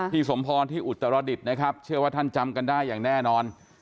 สมพรที่อุตรดิษฐ์นะครับเชื่อว่าท่านจำกันได้อย่างแน่นอน